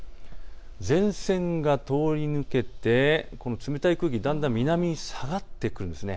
前線が通り抜けてこの冷たい空気、だんだん南に下がってくるんです。